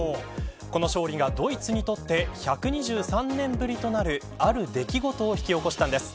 この勝利がドイツにとって１２３年ぶりとなるある出来事を引き起こしたんです。